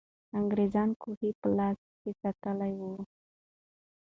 انګریزان کوهي په لاس کې ساتلې وو.